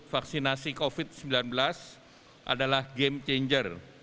vaksinasi covid sembilan belas adalah game changer